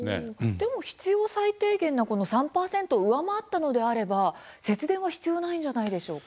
でも必要最低限のこの３％を上回ったのであれば節電は必要ないんじゃないんでしょうか。